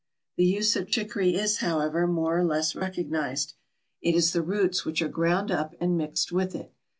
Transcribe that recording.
The use of chicory is, however, more or less recognized. It is the roots which are ground up and mixed with it.